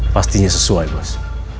pastinya sesuai bos